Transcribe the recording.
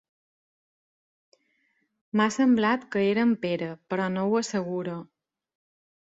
M'ha semblat que era en Pere, però no ho asseguro.